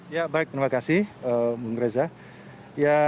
ya baik terima kasih bung reza